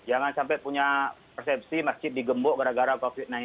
jangan sampai punya persepsi masjid digembok gara gara covid sembilan belas